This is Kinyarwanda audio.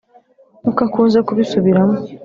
nkuko akunze kubisubiramo .